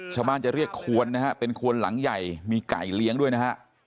ชาวบ้านจะเรียกควนนะฮะเป็นควนหลังใหญ่มีไก่เลี้ยงด้วยนะฮะ